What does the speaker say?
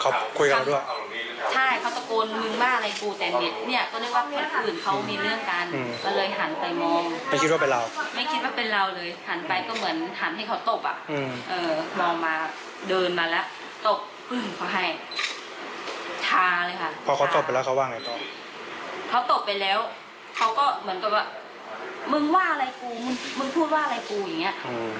เขาก็เหมือนกับว่ามึงว่าอะไรกูมึงพูดว่าอะไรกูอย่างเงี้ย